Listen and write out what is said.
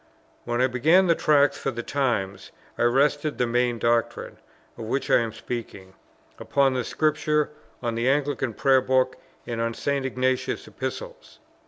When I began the Tracts for the Times I rested the main doctrine, of which I am speaking, upon Scripture, on the Anglican Prayer Book, and on St. Ignatius's Epistles.